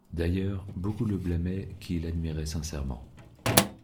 D’ailleurs, beaucoup le blâmaient, qui l’admiraient sincèrement.